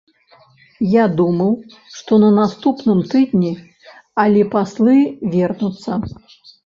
Я думаў, што на наступным тыдні, алі паслы вернуцца.